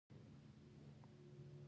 میناکاري او خاتم کاري هنرونه دي.